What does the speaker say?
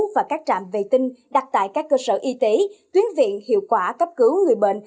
và các trạm vệ tinh đặt tại các cơ sở y tế tuyến viện hiệu quả cấp cứu người bệnh